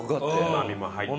うまみも入ってる。